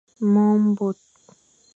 Mo mbore.